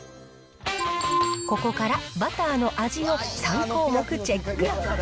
ここから、バターの味の３項目チェック。